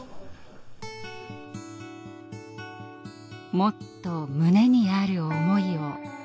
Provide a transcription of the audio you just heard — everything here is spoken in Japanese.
「もっと胸にある思いを」。